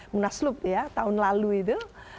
munaslup ya tahun lalu itu